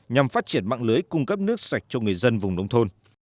nhằm phát triển mạng lưới cung cấp nước sạch cho người dân vùng nông thôn